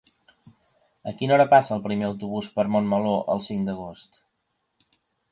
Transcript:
A quina hora passa el primer autobús per Montmeló el cinc d'agost?